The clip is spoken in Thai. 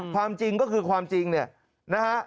ความจริงก็คือความจริงเนี่ยนะฮะ